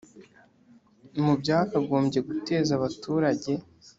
Mu byagombye guteza abaturage